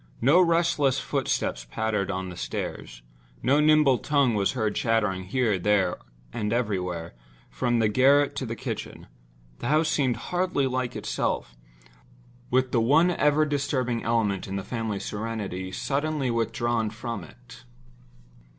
No restless footsteps pattered on the stairs; no nimble tongue was heard chattering here, there, and everywhere, from the garret to the kitchen—the house seemed hardly like itself, with the one ever disturbing element in the family serenity suddenly withdrawn from it.